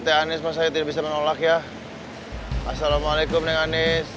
t anies masa itu bisa menolak ya assalamualaikum dengan anies